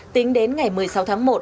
tính đến ngày một mươi sáu tháng một